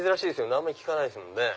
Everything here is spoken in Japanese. あんま聞かないっすもんね。